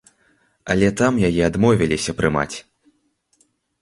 Але там яе адмовіліся прымаць!